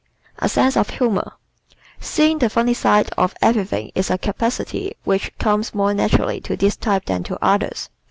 A Sense of Humor ¶ Seeing the funny side of everything is a capacity which comes more naturally to this type than to others.